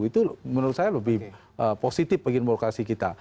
itu menurut saya lebih positif bagi demokrasi kita